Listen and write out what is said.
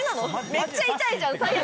めっちゃ痛いじゃん最悪。